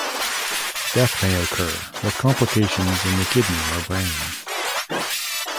Death may occur, with complications in the kidney or brain.